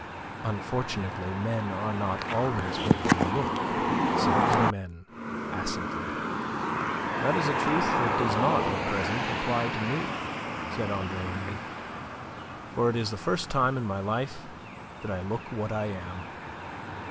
"Unfortunately men are not always what they look," said Climene, acidly. "That is a truth that does not at present apply to me," said Andre Louis. "For it is the first time in my life that I look what I am."